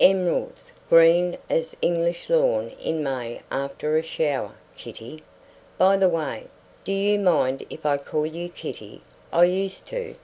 "Emeralds, green as an English lawn in May after a shower, Kitty. By the way, do you mind if I call you Kitty? I used to."